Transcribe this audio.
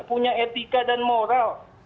punya etika dan moral